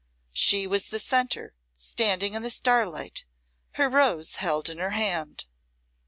She was the centre, standing in the starlight, her rose held in her hand.